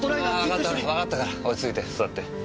わかったわかったから落ち着いて座って。